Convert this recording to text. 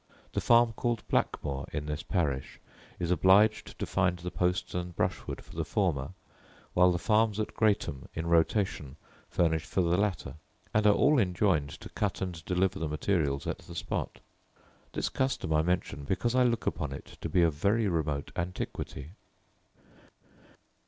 The farm called Blackmoor, in this parish, is obliged to find the posts and brush wood for the former; while the farms at Greatham, in rotation, furnish for the latter; and are all enjoined to cut and deliver the materials at the spot. This custom I mention, because I look upon it to be of very remote antiquity.